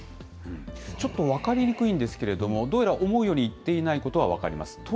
ちょっと分かりにくいんですけれども、どうやら思うようにいっていないことは分かります。